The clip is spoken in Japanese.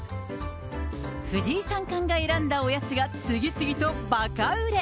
藤井三冠が選んだおやつが次々とばか売れ。